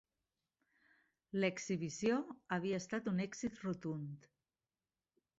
L'exhibició havia estat un èxit rotund.